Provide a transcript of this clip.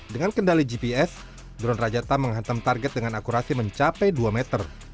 dengan kendali gps drone rajata menghantam target dengan akurasi mencapai dua meter